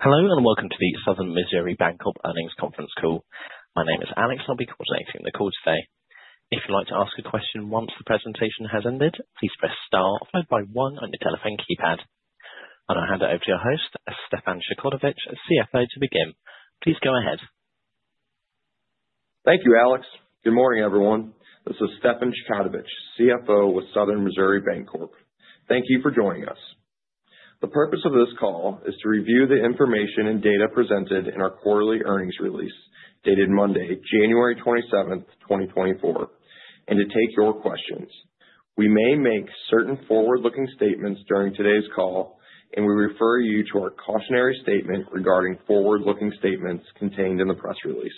Hello and welcome to the Southern Missouri Bancorp Earnings Conference Call. My name is Alex, and I'll be coordinating the call today. If you'd like to ask a question once the presentation has ended, please press star followed by one on your telephone keypad, and I'll hand it over to your host, Stefan Chkautovich, CFO, to begin. Please go ahead. Thank you, Alex. Good morning, everyone. This is Stefan Chkautovich, CFO with Southern Missouri Bancorp. Thank you for joining us. The purpose of this call is to review the information and data presented in our quarterly earnings release dated Monday, January 27, 2024, and to take your questions. We may make certain forward-looking statements during today's call, and we refer you to our cautionary statement regarding forward-looking statements contained in the press release.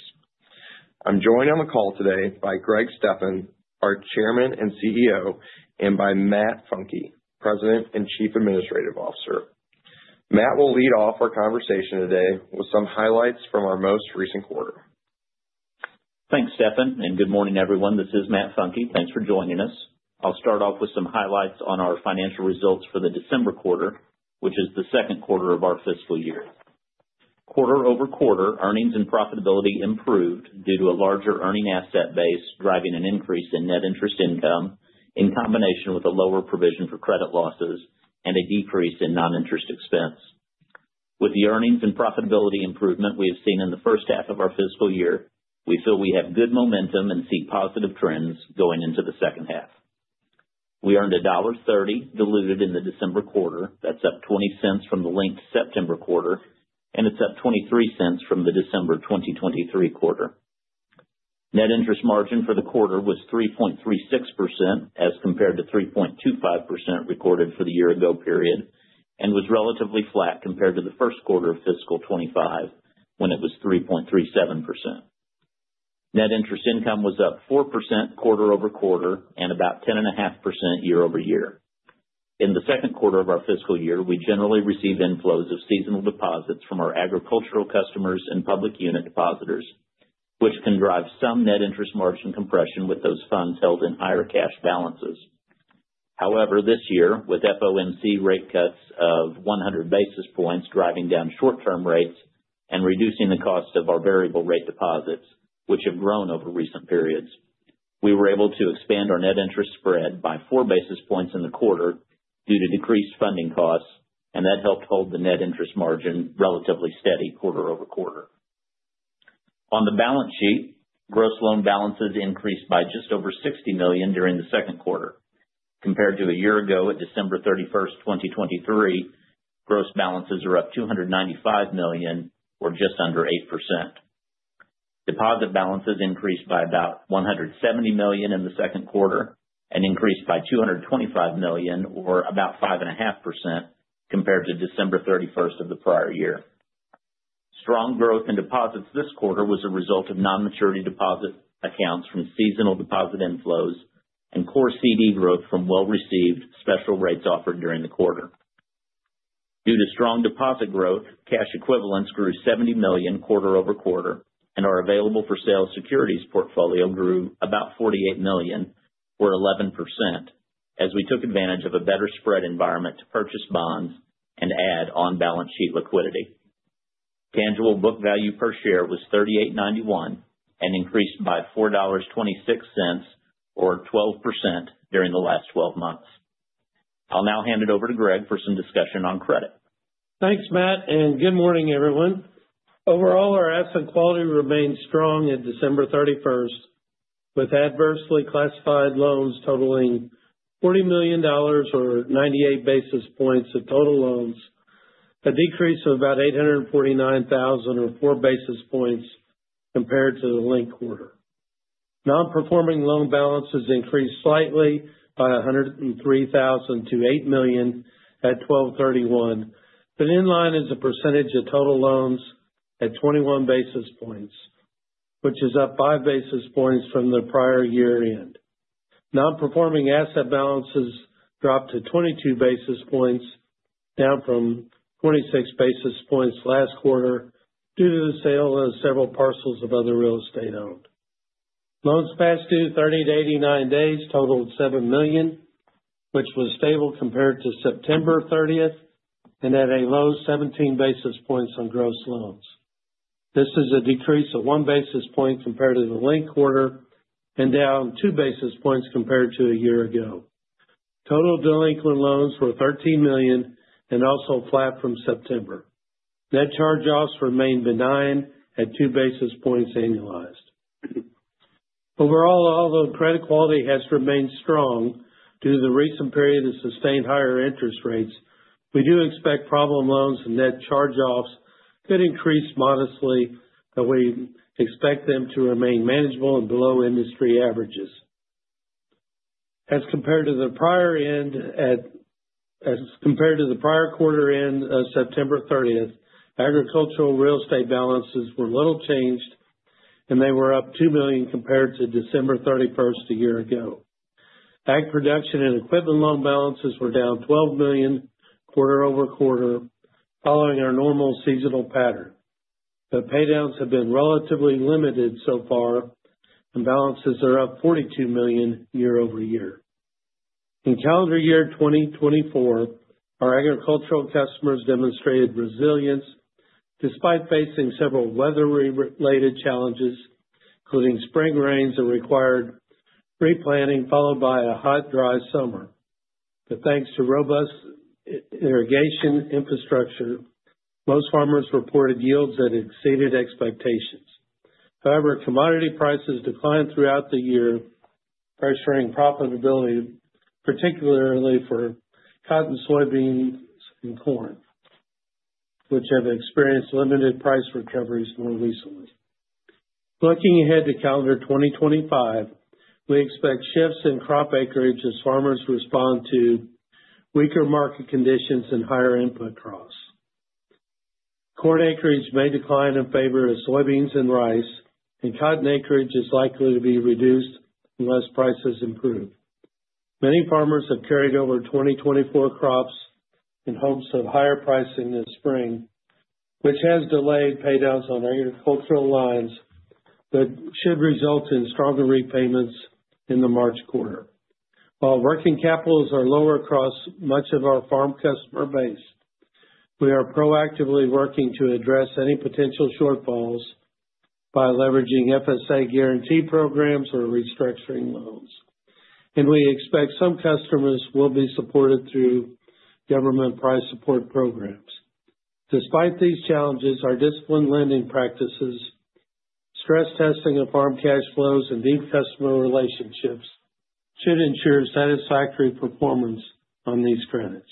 I'm joined on the call today by Greg Steffens, our chairman and CEO, and by Matt Funke, President and Chief Administrative Officer. Matt will lead off our conversation today with some highlights from our most recent quarter. Thanks, Stefan, and good morning, everyone. This is Matt Funke. Thanks for joining us. I'll start off with some highlights on our financial results for the December quarter, which is the Q2 of our fiscal year. Quarter-over-quarter, earnings and profitability improved due to a larger earning asset base driving an increase in net interest income in combination with a lower provision for credit losses and a decrease in non-interest expense. With the earnings and profitability improvement we have seen in the first half of our fiscal year, we feel we have good momentum and see positive trends going into the second half. We earned $1.30 diluted in the December quarter. That's up $0.20 from the linked September quarter, and it's up $0.23 from the December 2023 quarter. Net interest margin for the quarter was 3.36% as compared to 3.25% recorded for the year ago period and was relatively flat compared to the Q1 of fiscal 2025 when it was 3.37%. Net interest income was up 4% quarter-over-quarter and about 10.5% year over year. In the Q2 of our fiscal year, we generally receive inflows of seasonal deposits from our agricultural customers and public unit depositors, which can drive some net interest margin compression with those funds held in higher cash balances. However, this year, with FOMC rate cuts of 100 basis points driving down short-term rates and reducing the cost of our variable rate deposits, which have grown over recent periods, we were able to expand our net interest spread by four basis points in the quarter due to decreased funding costs, and that helped hold the net interest margin relatively steady quarter-over-quarter. On the balance sheet, gross loan balances increased by just over $60 million during the Q2. Compared to a year ago at December 31, 2023, gross balances are up $295 million or just under 8%. Deposit balances increased by about $170 million in the Q2 and increased by $225 million or about 5.5% compared to December 31 of the prior year. Strong growth in deposits this quarter was a result of non-maturity deposit accounts from seasonal deposit inflows and core CD growth from well-received special rates offered during the quarter. Due to strong deposit growth, cash equivalents grew $70 million quarter-over-quarter and our available-for-sale securities portfolio grew about $48 million or 11% as we took advantage of a better spread environment to purchase bonds and add on-balance sheet liquidity. Tangible book value per share was $38.91 and increased by $4.26 or 12% during the last 12 months. I'll now hand it over to Greg for some discussion on credit. Thanks, Matt, and good morning, everyone. Overall, our asset quality remained strong at December 31st, with adversely classified loans totaling $40 million or 98 basis points of total loans, a decrease of about $849,000 or four basis points compared to the linked quarter. Non-performing loan balances increased slightly by $103,000 to $8 million at 12/31, but in line, as a percentage of total loans at 21 basis points, which is up five basis points from the prior year-end. Non-performing asset balances dropped to 22 basis points, down from 26 basis points last quarter due to the sale of several parcels of other real estate owned. Loans past due 30 to 89 days totaled $7 million, which was stable compared to September 30 and at a low 17 basis points on gross loans. This is a decrease of one basis point compared to the linked quarter and down two basis points compared to a year ago. Total delinquent loans were $13 million and also flat from September. Net charge-offs remain benign at two basis points annualized. Overall, although credit quality has remained strong due to the recent period of sustained higher interest rates, we do expect problem loans and net charge-offs could increase modestly, but we expect them to remain manageable and below industry averages. As compared to the prior quarter end of September 30th, agricultural real estate balances were little changed, and they were up $2 million compared to December 31st a year ago. Ag production and equipment loan balances were down $12 million quarter-over-quarter, following our normal seasonal pattern. The paydowns have been relatively limited so far, and balances are up $42 million year-over-year. In calendar year 2024, our agricultural customers demonstrated resilience despite facing several weather-related challenges, including spring rains that required replanting followed by a hot, dry summer. But thanks to robust irrigation infrastructure, most farmers reported yields that exceeded expectations. However, commodity prices declined throughout the year, pressuring profitability, particularly for cotton, soybeans, and corn, which have experienced limited price recoveries more recently. Looking ahead to calendar 2025, we expect shifts in crop acreage as farmers respond to weaker market conditions and higher input costs. Corn acreage may decline in favor of soybeans and rice, and cotton acreage is likely to be reduced unless prices improve. Many farmers have carried over 2024 crops in hopes of higher pricing this spring, which has delayed paydowns on agricultural lines that should result in stronger repayments in the March quarter. While working capitals are lower across much of our farm customer base, we are proactively working to address any potential shortfalls by leveraging FSA guarantee programs or restructuring loans. And we expect some customers will be supported through government price support programs. Despite these challenges, our disciplined lending practices, stress testing of farm cash flows, and deep customer relationships should ensure satisfactory performance on these credits.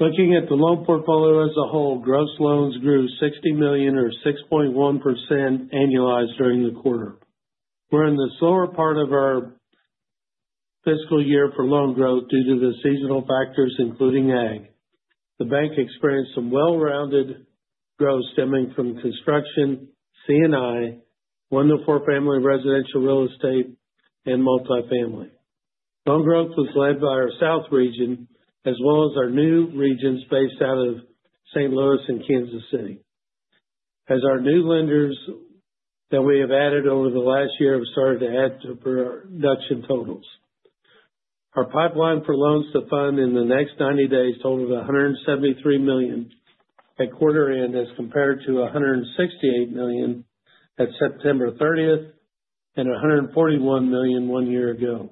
Looking at the loan portfolio as a whole, gross loans grew $60 million or 6.1% annualized during the quarter. We're in the slower part of our fiscal year for loan growth due to the seasonal factors, including ag. The bank experienced some well-rounded growth stemming from construction, C&I, one to four family residential real estate, and multifamily. Loan growth was led by our South region as well as our new regions based out of St. Louis and Kansas City, as our new lenders that we have added over the last year have started to add to production totals. Our pipeline for loans to fund in the next 90 days totaled $173 million at quarter end as compared to $168 million at September 30th and $141 million one year ago.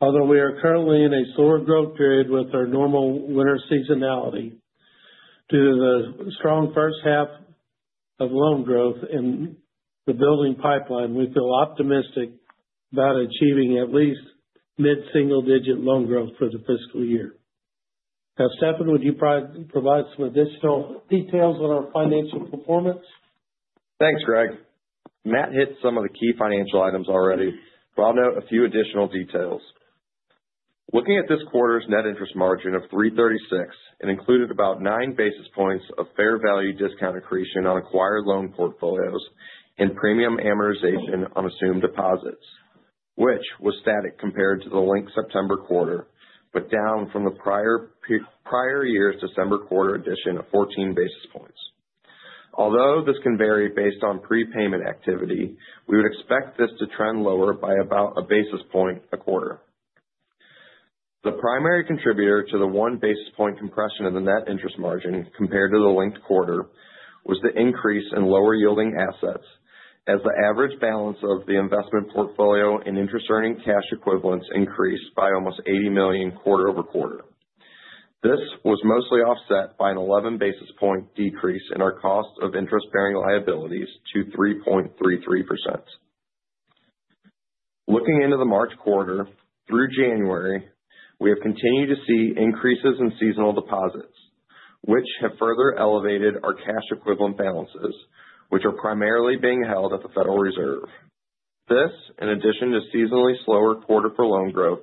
Although we are currently in a slower growth period with our normal winter seasonality due to the strong first half of loan growth in the building pipeline, we feel optimistic about achieving at least mid-single-digit loan growth for the fiscal year. Now, Stefan, would you provide some additional details on our financial performance? Thanks, Greg. Matt hit some of the key financial items already, but I'll note a few additional details. Looking at this quarter's net interest margin of 3.36%, it included about nine basis points of fair value discount accretion on acquired loan portfolios and premium amortization on assumed deposits, which was static compared to the linked September quarter, but down from the prior year's December quarter addition of 14 basis points. Although this can vary based on prepayment activity, we would expect this to trend lower by about a basis point a quarter. The primary contributor to the one basis point compression in the net interest margin compared to the linked quarter was the increase in lower-yielding assets, as the average balance of the investment portfolio and interest-earning cash equivalents increased by almost $80 million quarter-over-quarter. This was mostly offset by an 11 basis points decrease in our cost of interest-bearing liabilities to 3.33%. Looking into the March quarter through January, we have continued to see increases in seasonal deposits, which have further elevated our cash equivalent balances, which are primarily being held at the Federal Reserve. This, in addition to seasonally slower quarter for loan growth,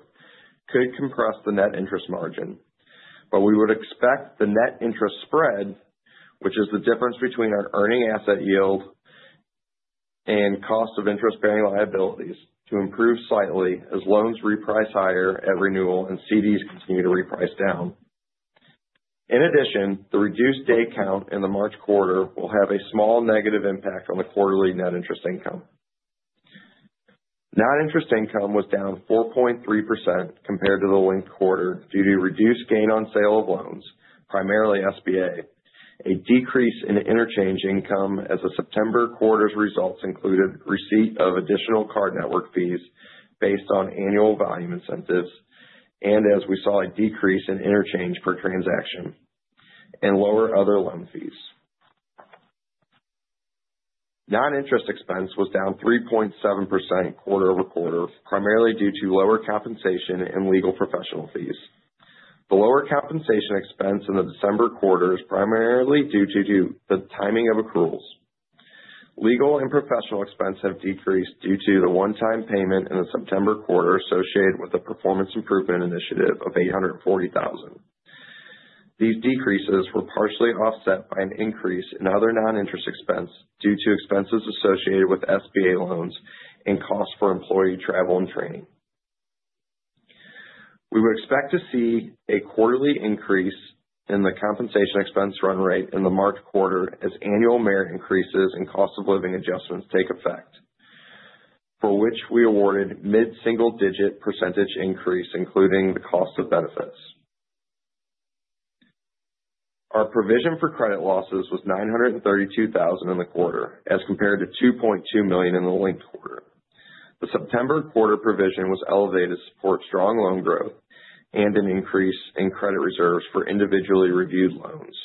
could compress the net interest margin, but we would expect the net interest spread, which is the difference between our earning asset yield and cost of interest-bearing liabilities, to improve slightly as loans reprice higher at renewal and CDs continue to reprice down. In addition, the reduced day count in the March quarter will have a small negative impact on the quarterly net interest income. Net interest income was down 4.3% compared to the linked quarter due to reduced gain on sale of loans, primarily SBA, a decrease in interchange income as the September quarter's results included receipt of additional card network fees based on annual volume incentives, and as we saw a decrease in interchange per transaction and lower other loan fees. Non-interest expense was down 3.7% quarter- over-quarter, primarily due to lower compensation and legal professional fees. The lower compensation expense in the December quarter is primarily due to the timing of accruals. Legal and professional expense have decreased due to the one-time payment in the September quarter associated with a performance improvement initiative of $840,000. These decreases were partially offset by an increase in other non-interest expense due to expenses associated with SBA loans and costs for employee travel and training. We would expect to see a quarterly increase in the compensation expense run rate in the March quarter as annual merit increases and cost of living adjustments take effect, for which we awarded mid-single-digit percentage increase, including the cost of benefits. Our provision for credit losses was $932,000 in the quarter as compared to $2.2 million in the linked quarter. The September quarter provision was elevated to support strong loan growth and an increase in credit reserves for individually reviewed loans.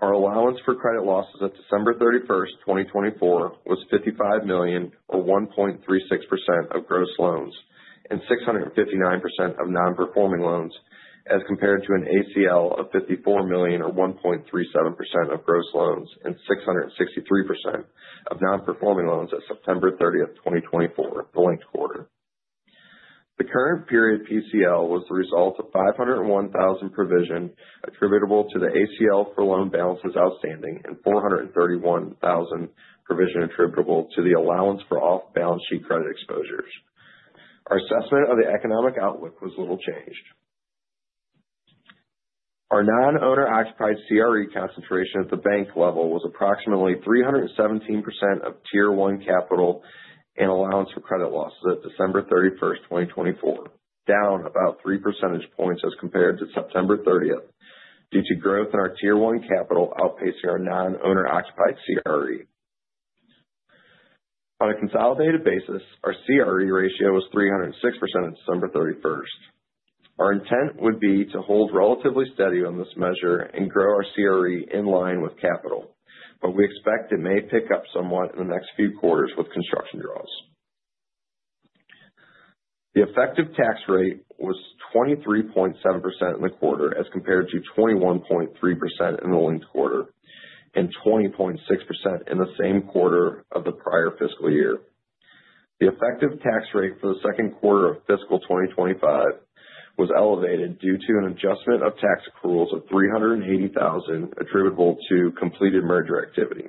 Our allowance for credit losses at December 31st, 2024, was $55 million, or 1.36% of gross loans and 659% of non-performing loans, as compared to an ACL of $54 million, or 1.37% of gross loans and 663% of non-performing loans at September 30th, 2024, the linked quarter. The current period PCL was the result of $501,000 provision attributable to the ACL for loan balances outstanding and $431,000 provision attributable to the allowance for off-balance sheet credit exposures. Our assessment of the economic outlook was little changed. Our non-owner-occupied CRE concentration at the bank level was approximately 317% of Tier 1 capital and allowance for credit losses at December 31st, 2024, down about three percentage points as compared to September 30th due to growth in our Tier 1 capital outpacing our non-owner-occupied CRE. On a consolidated basis, our CRE ratio was 306% on December 31st. Our intent would be to hold relatively steady on this measure and grow our CRE in line with capital, but we expect it may pick up somewhat in the next few quarters with construction draws. The effective tax rate was 23.7% in the quarter as compared to 21.3% in the linked quarter and 20.6% in the same quarter of the prior fiscal year. The effective tax rate for the Q2 of fiscal 2025 was elevated due to an adjustment of tax accruals of $380,000 attributable to completed merger activity.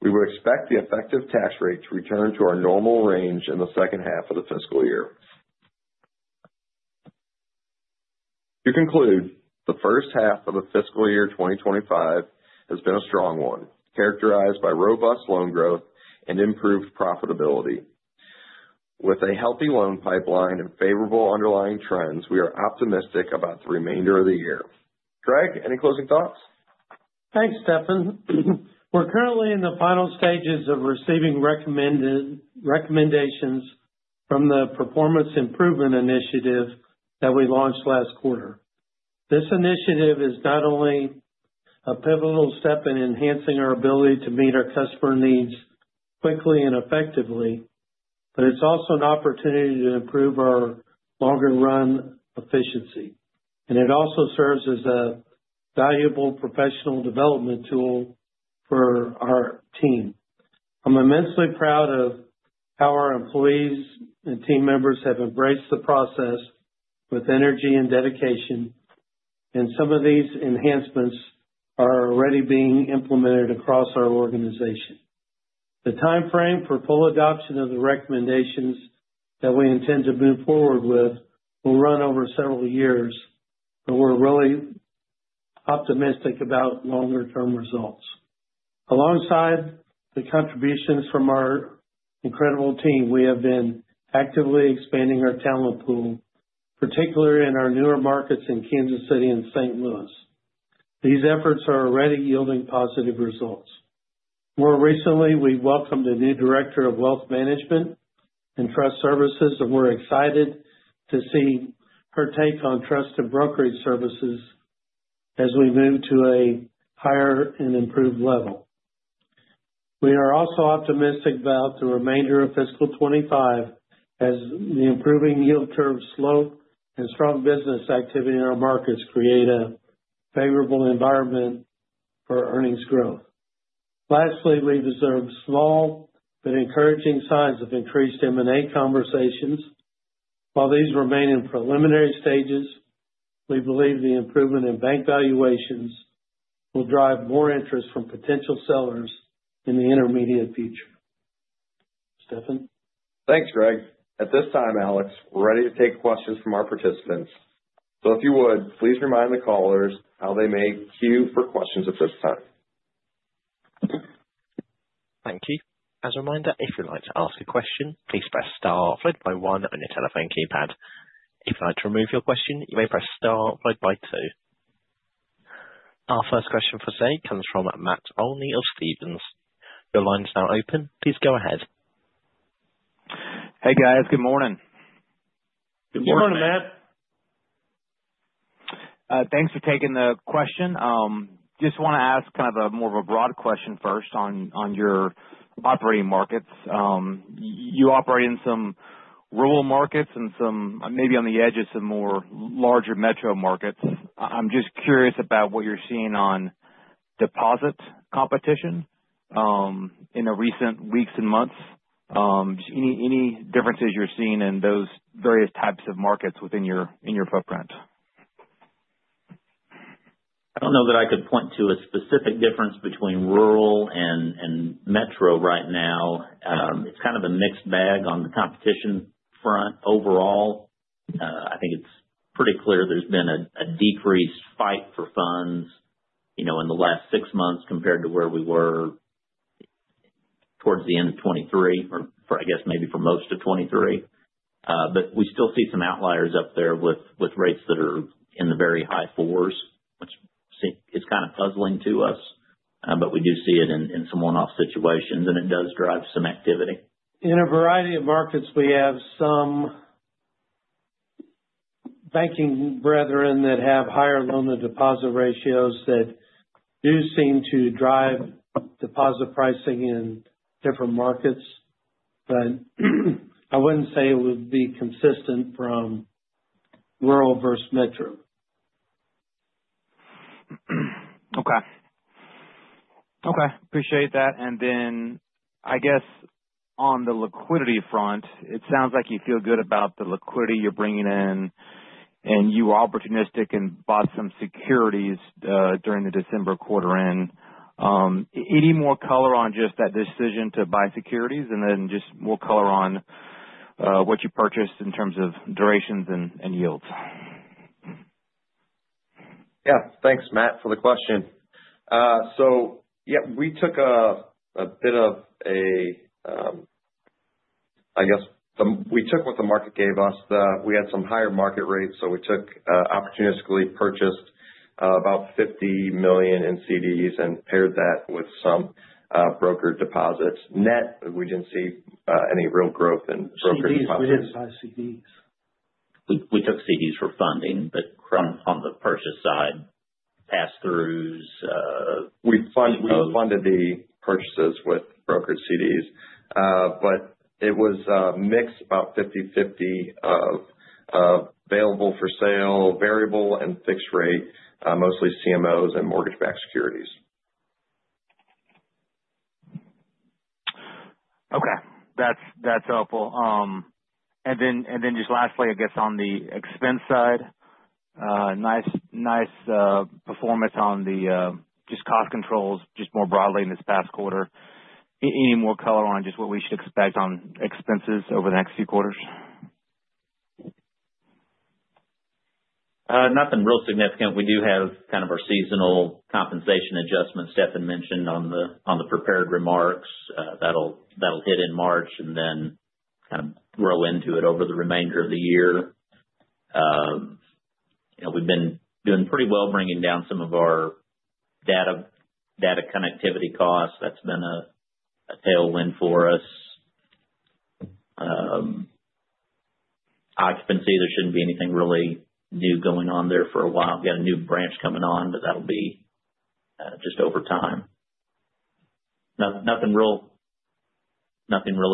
We would expect the effective tax rate to return to our normal range in the second half of the fiscal year. To conclude, the first half of the fiscal year 2025 has been a strong one, characterized by robust loan growth and improved profitability. With a healthy loan pipeline and favorable underlying trends, we are optimistic about the remainder of the year. Greg, any closing thoughts? Thanks, Stefan. We're currently in the final stages of receiving recommendations from the performance improvement initiative that we launched last quarter. This initiative is not only a pivotal step in enhancing our ability to meet our customer needs quickly and effectively, but it's also an opportunity to improve our longer-run efficiency, and it also serves as a valuable professional development tool for our team. I'm immensely proud of how our employees and team members have embraced the process with energy and dedication, and some of these enhancements are already being implemented across our organization. The timeframe for full adoption of the recommendations that we intend to move forward with will run over several years, but we're really optimistic about longer-term results. Alongside the contributions from our incredible team, we have been actively expanding our talent pool, particularly in our newer markets in Kansas City and St. Louis. These efforts are already yielding positive results. More recently, we welcomed a new director of wealth management and trust services, and we're excited to see her take on trust and brokerage services as we move to a higher and improved level. We are also optimistic about the remainder of fiscal 2025 as the improving yield curve slope and strong business activity in our markets create a favorable environment for earnings growth. Lastly, we've observed small but encouraging signs of increased M&A conversations. While these remain in preliminary stages, we believe the improvement in bank valuations will drive more interest from potential sellers in the intermediate future. Stefan? Thanks, Greg. At this time, Alex, we're ready to take questions from our participants, so if you would, please remind the callers how they may queue for questions at this time. Thank you. As a reminder, if you'd like to ask a question, please press star followed by one on your telephone keypad. If you'd like to remove your question, you may press star followed by two. Our first question for today comes from Matt Olney of Stephens. Your line is now open. Please go ahead. Hey, guys. Good morning. Good morning, Matt. Thanks for taking the question. Just want to ask kind of more of a broad question first on your operating markets. You operate in some rural markets and maybe on the edge of some more larger metro markets. I'm just curious about what you're seeing on deposit competition in the recent weeks and months. Any differences you're seeing in those various types of markets within your footprint? I don't know that I could point to a specific difference between rural and metro right now. It's kind of a mixed bag on the competition front. Overall, I think it's pretty clear there's been a decreased fight for funds in the last six months compared to where we were towards the end of 2023, or I guess maybe for most of 2023. But we still see some outliers up there with rates that are in the very high fours, which is kind of puzzling to us, but we do see it in some one-off situations, and it does drive some activity. In a variety of markets, we have some banking brethren that have higher loan-to-deposit ratios that do seem to drive deposit pricing in different markets, but I wouldn't say it would be consistent from rural versus metro. Okay. Okay. Appreciate that. And then I guess on the liquidity front, it sounds like you feel good about the liquidity you're bringing in, and you were opportunistic and bought some securities during the December quarter end. Any more color on just that decision to buy securities and then just more color on what you purchased in terms of durations and yields? Yeah. Thanks, Matt, for the question. So yeah, we took a bit of a, I guess, we took what the market gave us. We had some higher market rates, so we took opportunistically, purchased about $50 million in CDs and paired that with some brokered deposits. Net, we didn't see any real growth in brokered deposits. CDs? We didn't buy CDs. We took CDs for funding, but on the purchase side, pass-throughs. We funded the purchases with brokered CDs, but it was a mix about 50/50 of available-for-sale, variable-, and fixed-rate, mostly CMOs and mortgage-backed securities. Okay. That's helpful. And then just lastly, I guess on the expense side, nice performance on just cost controls, just more broadly in this past quarter. Any more color on just what we should expect on expenses over the next few quarters? Nothing real significant. We do have kind of our seasonal compensation adjustment Stefan mentioned on the prepared remarks. That'll hit in March and then kind of grow into it over the remainder of the year. We've been doing pretty well bringing down some of our data connectivity costs. That's been a tailwind for us. Occupancy, there shouldn't be anything really new going on there for a while. We got a new branch coming on, but that'll be just over time. Nothing really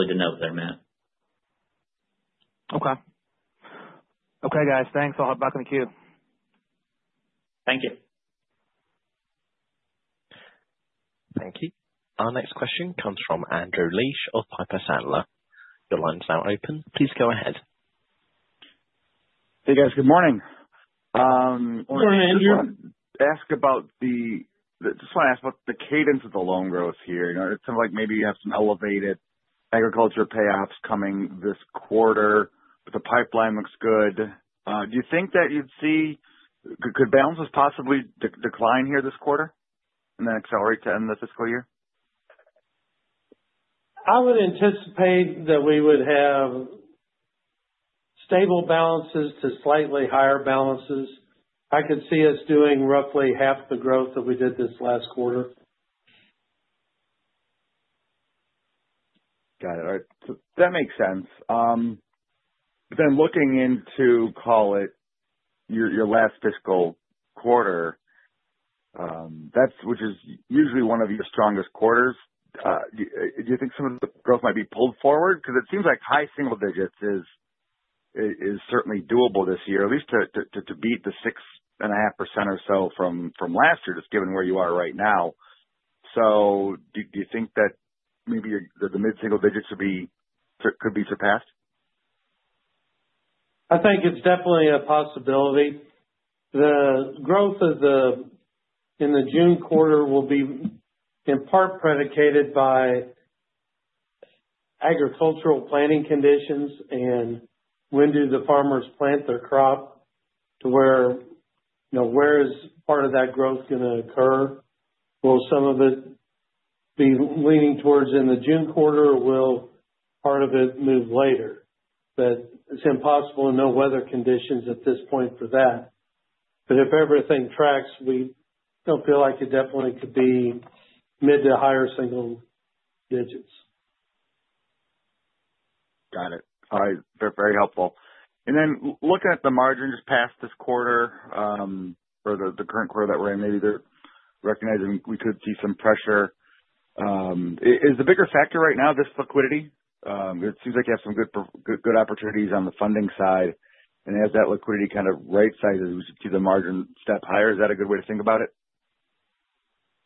to note there, Matt. Okay. Okay, guys. Thanks. I'll hop back in the queue. Thank you. Thank you. Our next question comes from Andrew Liesch of Piper Sandler. Your line is now open. Please go ahead. Hey, guys. Good morning. Morning, Andrew. I just want to ask about the cadence of the loan growth here. It sounds like maybe you have some elevated agricultural payoffs coming this quarter, but the pipeline looks good. Do you think that you'd see loan balances possibly decline here this quarter and then accelerate to end the fiscal year? I would anticipate that we would have stable balances to slightly higher balances. I could see us doing roughly half the growth that we did this last quarter. Got it. All right. So that makes sense. But then looking into, call it, your last fiscal quarter, which is usually one of your strongest quarters, do you think some of the growth might be pulled forward? Because it seems like high single digits is certainly doable this year, at least to beat the 6.5% or so from last year, just given where you are right now. So do you think that maybe the mid-single digits could be surpassed? I think it's definitely a possibility. The growth in the June quarter will be in part predicated by agricultural planting conditions and when do the farmers plant their crop to where is part of that growth going to occur? Will some of it be leaning towards in the June quarter, or will part of it move later, but it's impossible to know weather conditions at this point for that, but if everything tracks, we don't feel like it definitely could be mid to higher single digits. Got it. All right. Very helpful. And then looking at the margin just past this quarter or the current quarter that we're in, maybe they're recognizing we could see some pressure. Is the bigger factor right now just liquidity? It seems like you have some good opportunities on the funding side. And as that liquidity kind of right-sizes, we should see the margin step higher. Is that a good way to think about it?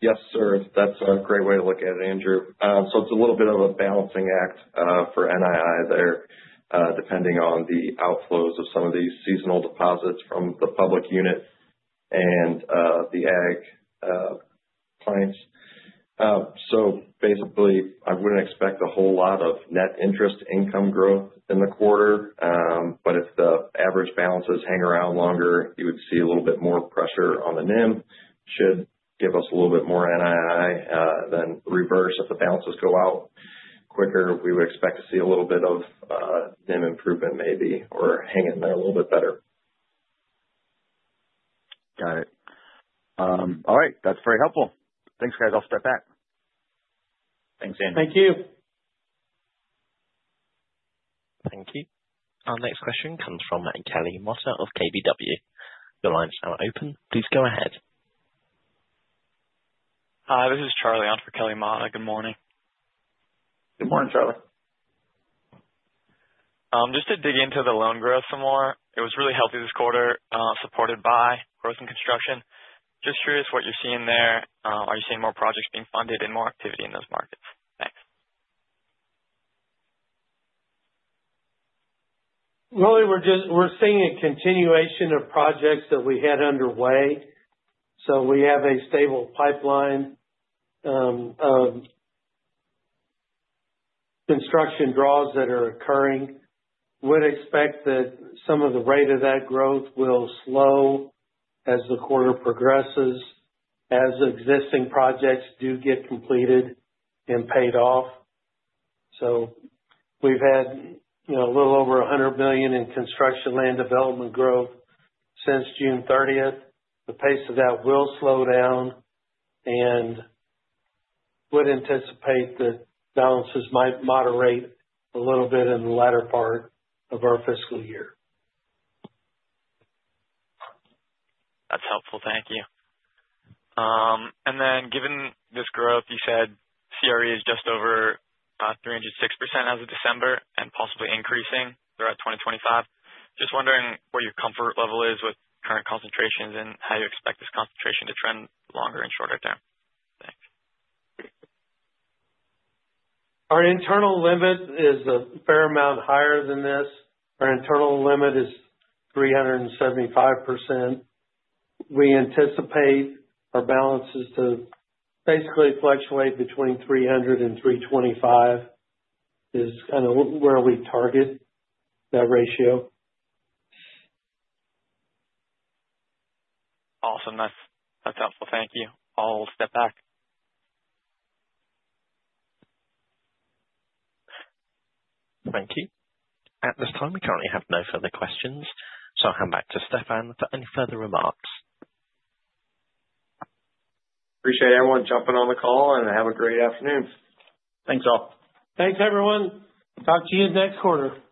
Yes, sir. That's a great way to look at it, Andrew. So it's a little bit of a balancing act for NII there, depending on the outflows of some of these seasonal deposits from the public unit and the ag clients. So basically, I wouldn't expect a whole lot of net interest income growth in the quarter, but if the average balances hang around longer, you would see a little bit more pressure on the NIM, should give us a little bit more NII. Then reverse, if the balances go out quicker, we would expect to see a little bit of NIM improvement maybe or hang in there a little bit better. Got it. All right. That's very helpful. Thanks, guys. I'll step back. Thanks, Andrew. Thank you. Thank you. Our next question comes from Kelly Motta of KBW. Your line is now open. Please go ahead. Hi. This is Charlie on for Kelly Motta. Good morning. Good morning, Charlie. Just to dig into the loan growth some more, it was really healthy this quarter, supported by growth in construction. Just curious what you're seeing there. Are you seeing more projects being funded and more activity in those markets? Thanks. Really, we're seeing a continuation of projects that we had underway. So we have a stable pipeline of construction draws that are occurring. Would expect that some of the rate of that growth will slow as the quarter progresses, as existing projects do get completed and paid off. So we've had a little over $100 million in construction land development growth since June 30th. The pace of that will slow down, and would anticipate that balances might moderate a little bit in the latter part of our fiscal year. That's helpful. Thank you. And then given this growth, you said CRE is just over 306% as of December and possibly increasing throughout 2025. Just wondering where your comfort level is with current concentrations and how you expect this concentration to trend longer and shorter term? Thanks. Our internal limit is a fair amount higher than this. Our internal limit is 375%. We anticipate our balances to basically fluctuate between 300% and 325% is kind of where we target that ratio. Awesome. That's helpful. Thank you. I'll step back. Thank you. At this time, we currently have no further questions. So I'll hand back to Stefan for any further remarks. Appreciate everyone jumping on the call, and have a great afternoon. Thanks, all. Thanks, everyone. Talk to you next quarter.